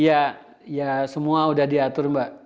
iya semua udah diatur mbak